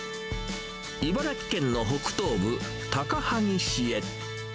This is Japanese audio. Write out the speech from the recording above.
茨城県の北東部、高萩市へ。